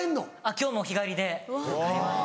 今日も日帰りで帰ります。